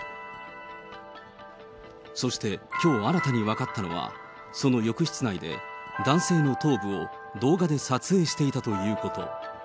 そして、きょう新たに分かったのは、その浴室内で、男性の頭部を動画で撮影していたということ。